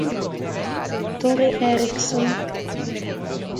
Tore Eriksson